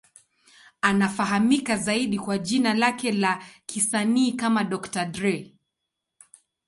Anafahamika zaidi kwa jina lake la kisanii kama Dr. Dre.